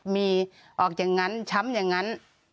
มีออกอย่างนั้นช้ำอย่างนั้น